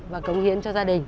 và công hiến cho gia đình